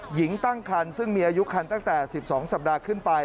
หญิงตั้งคันซึ่งมีอายุคันตั้งแต่๑๒สัปดาห์ขึ้นไป